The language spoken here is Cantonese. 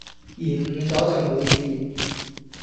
延誤左就無事